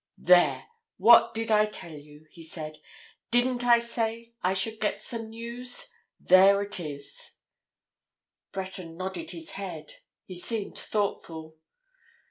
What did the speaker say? "There!—what did I tell you?" he said. "Didn't I say I should get some news? There it is." Breton nodded his head. He seemed thoughtful.